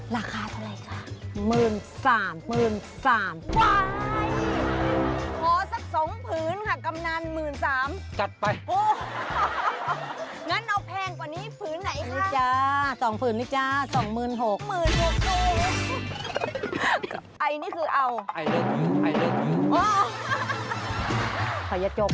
ราคาเท่าไหร่ค่ะ